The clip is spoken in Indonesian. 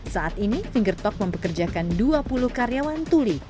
saat ini fingertalk mempekerjakan dua puluh karyawan tuli